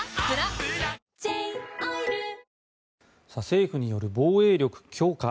政府による防衛力強化。